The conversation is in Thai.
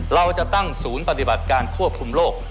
เราจะตั้งศูนย์ปฏิบัติการควบคุมโรค